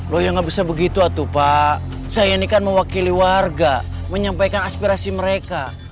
lo yang enggak bisa begitu atuh pak saya ini kan mewakili warga menyampaikan aspirasi mereka